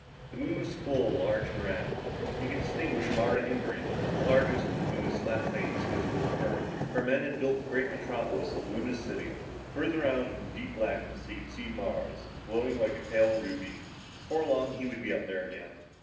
The Moon was full, large and round. He could distinguish Mare Imbrium, the largest of Luna's flat plains visible from Earth, where men had built the great metropolis of Luna City. Farther out in the deep blackness, he could see Mars, glowing like a pale ruby. Before long he would be up there again.